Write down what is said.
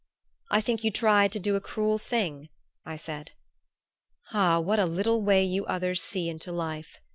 "I think you tried to do a cruel thing," I said. "Ah what a little way you others see into life!"